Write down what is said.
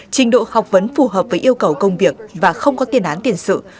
trình độ học vấn phù hợp với yêu cầu công việc và không có tiền án tiền sự